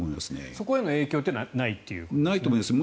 そこへの影響というのはないということですか。